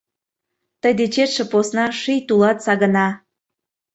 Тый дечетше посна Ший тулат сагына.